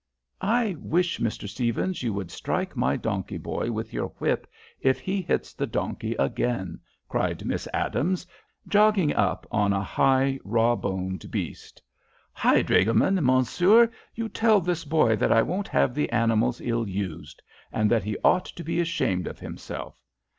"I wish, Mr. Stephens, you would strike my donkey boy with your whip if he hits the donkey again," cried Miss Adams, jogging up on a high, raw Boned beast. "Hi, dragoman, Mansoor, you tell this boy that I won't have the animals ill used, and that he ought to be ashamed of himself.